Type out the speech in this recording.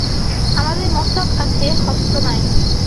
আমাদের মস্তক আছে, হস্ত নাই।